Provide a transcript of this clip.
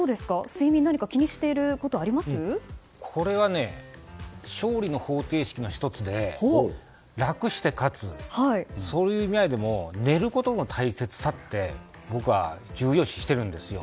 睡眠、何かこれは勝利の方程式の１つで楽して勝つ、そういう意味でも寝ることの大切さって僕は重要視してるんですよ。